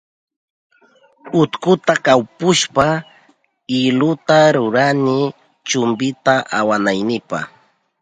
Utkuta kawpushpa iluta rurani chumpita awanaynipa.